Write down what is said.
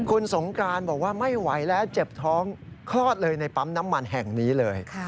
คุณสงกรานบอกว่าไม่ไหวแล้วเจ็บท้องคลอดเลยในปั๊มน้ำมันแห่งนี้เลย